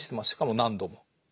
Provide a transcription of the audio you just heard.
しかも何度も。